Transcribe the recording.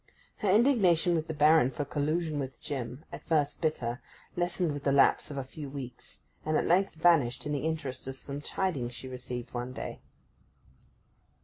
Her indignation with the Baron for collusion with Jim, at first bitter, lessened with the lapse of a few weeks, and at length vanished in the interest of some tidings she received one day.